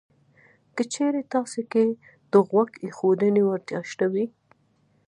که چېرې تاسې کې د غوږ ایښودنې وړتیا شته وي